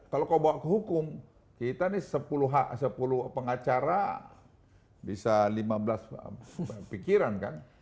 kalau kau bawa ke hukum kita nih sepuluh pengacara bisa lima belas pikiran kan